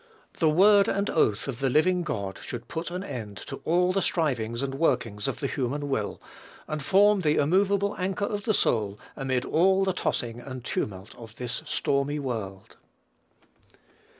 The word and oath of the living God should put an end to all the strivings and workings of the human will, and form the immovable anchor of the soul amid all the tossing and tumult of this stormy world.